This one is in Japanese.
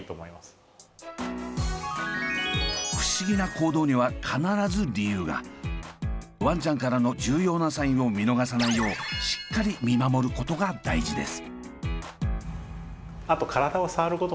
これはただもしかしたらワンちゃんからの重要なサインを見逃さないようしっかり見守ることが大事です。